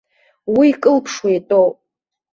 Уи кылԥшуа итәоуп.